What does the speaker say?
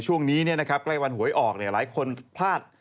ช่วงนี้ใกล้วันหวยออกหลายคนพลาด